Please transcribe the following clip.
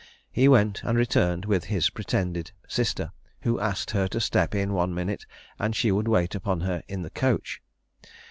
He went, and returned with his pretended sister, who asked her to step in one minute, and she would wait upon her in the coach.